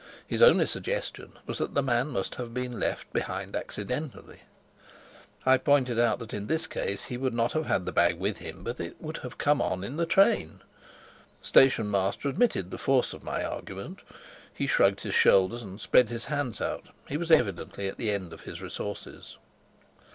His only suggestion was that the man must have been left behind accidentally. I pointed out that in this case he would not have had the bag with him, but that it would have come on in the train. The station master admitted the force of my argument; he shrugged his shoulders and spread his hands out; he was evidently at the end of his resources.